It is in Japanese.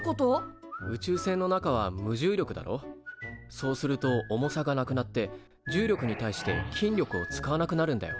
そうすると重さがなくなって重力に対して筋力を使わなくなるんだよ。